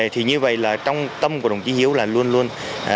thì như vậy là trong tâm của đồng chí hiếu là luôn luôn